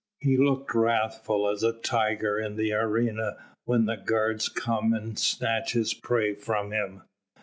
"He looked wrathful as a tiger in the arena when the guards come and snatch his prey from him.